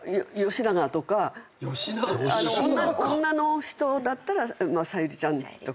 女の人だったら「小百合ちゃん」とか。